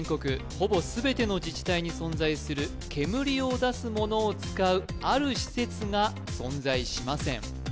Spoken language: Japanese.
ほぼ全ての自治体に存在する煙を出すものを使うある施設が存在しません